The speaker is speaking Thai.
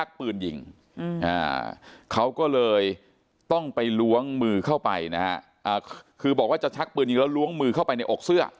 เขาก็เลยต้องไปลวงมือเข้าไปนะครับคือบอกว่าจะชักปรุกระล้างมือเข้าไปในอกเสื้อ